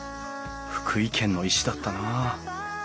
福井県の石だったな。